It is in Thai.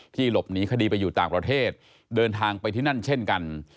หลบหนีคดีไปอยู่ต่างประเทศเดินทางไปที่นั่นเช่นกัน